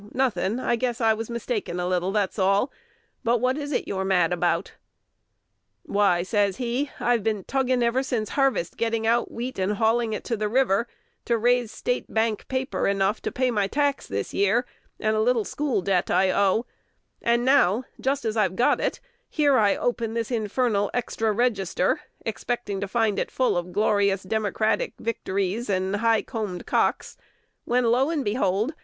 nothing: I guess I was mistaken a little, that's all. But what is it you're mad about?" "Why," says he, "I've been tugging ever since harvest getting out wheat and hauling it to the river, to raise State Bank paper enough to pay my tax this year, and a little school debt I owe; and now, just as I've got it, here I open this infernal 'Extra Register,' expecting to find it full of 'Glorious Democratic Victories' and 'High Comb'd Cocks,' when, lo and behold!